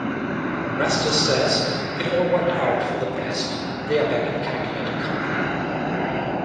Rastus says it all worked out for the best, they're back in calculator country.